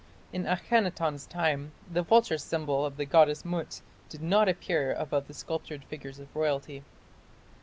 In Akhenaton's time the vulture symbol of the goddess Mut did not appear above the sculptured figures of royalty.